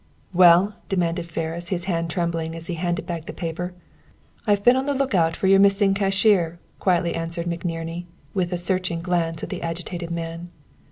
"Well!" demanded Ferris, his hand trembling, as he handed back the paper. "I have been on the lookout for your missing cashier," quietly answered McNerney, with a searching glance at the agitated man.